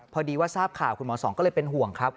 พอดีว่าทราบข่าวคุณหมอสองก็เลยเป็นห่วงครับ